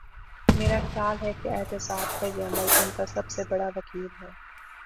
میرا خیال ہے کہ احتساب کا یہ عمل ان کا سب سے بڑا وکیل ہے۔